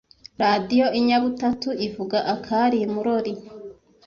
Radio Inyabutatu ivuga akari imurori